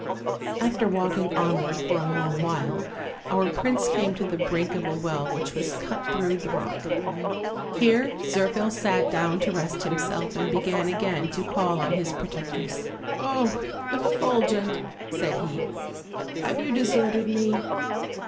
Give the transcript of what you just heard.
After walking onward for a long while, our prince came to the brink of a well which was cut through the rock. Here Zirphil sat down to rest himself, and began again to call on his protectress: "Oh! Effulgent/' said 314 OLD, OLD FAIRY TALES. he, "have you deserted me?''